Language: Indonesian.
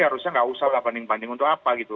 harusnya nggak usah lah banding banding untuk apa gitu